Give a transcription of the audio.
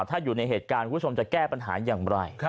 ถ้าอยู่ในเหตุการณ์คุณผู้ชมจะแก้ปัญหาอย่างไร